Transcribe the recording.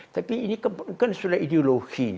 tapi ini kan sudah ideologi